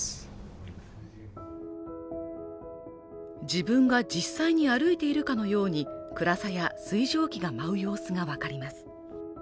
自分が実際に歩いているかのように暗さや水蒸気が舞う様子が分かります